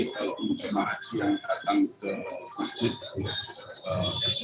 kalau jemaah haji yang datang ke masjid